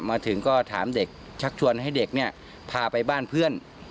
มาถึงก็ถามเด็กชักชวนให้เด็กเนี่ยพาไปบ้านเพื่อน